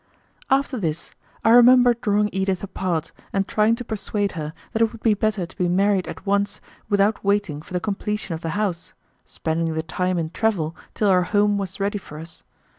After this, I remember drawing Edith apart and trying to persuade her that it would be better to be married at once without waiting for the completion of the house, spending the time in travel till our home was ready for us.